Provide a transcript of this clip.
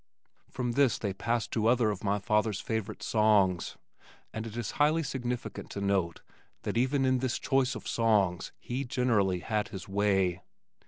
From this they passed to other of my father's favorite songs, and it is highly significant to note that even in this choice of songs he generally had his way.